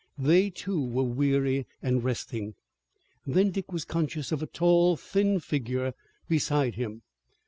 They, too, were weary and resting. Then Dick was conscious of a tall, thin figure beside him.